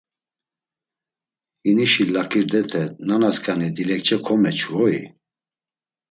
Hinişi laǩirdete nanasǩani dilekçe komeçu hoi?